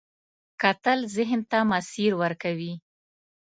کتل ذهن ته مسیر ورکوي